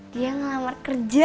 dia ngelamar kerja